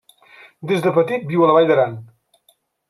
Des de petit viu a la vall d'Aran.